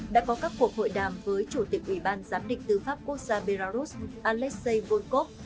đã có các cuộc hội đàm với chủ tịch ủy ban giám định tư pháp quốc gia belarus alexei volkov